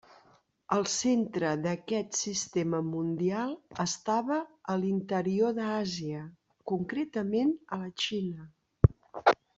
El centre d'aquest sistema mundial estava a l'interior d'Àsia, concretament a la Xina.